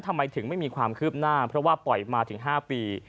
ทำไมถึงไม่มีความคืบหน้าเพราะว่าปล่อยมาถึง๕ปี